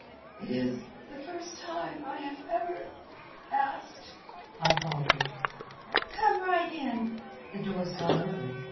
"It is the first time I have ever ... asked," I faltered. "Come right in." The door swung open.